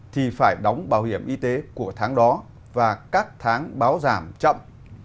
thì phải đóng bảo hiểm y tế của tháng đó và các tháng báo giảm chậm